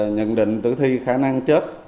nhận định tử thi khả năng chết